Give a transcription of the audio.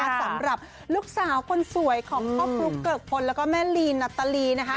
สำหรับลูกสาวคนสวยของพ่อฟลุ๊กเกิกพลแล้วก็แม่ลีนัตตาลีนะคะ